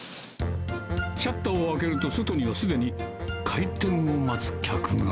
シャッターを開けると外にはすでに、開店を待つ客が。